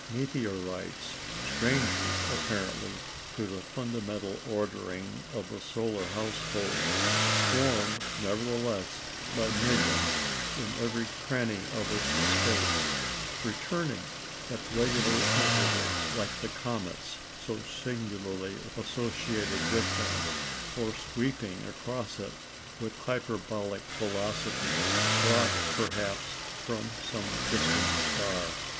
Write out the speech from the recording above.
Meteorites, strangers, apparently, to the fundamental ordering of the solar household, swarm, nevertheless, by millions in every cranny of its space, returning at regular intervals like the comets so singularly associated with them, or sweeping across it with hyperbolic velocities, brought, perhaps, from some distant star.